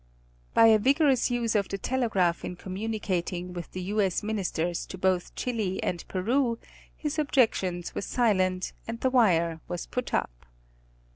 By a vigorous use of the telegraph in communicating with the U. S. Ministers to both Chili and Peru, his objections were silenced, and the wire was put up.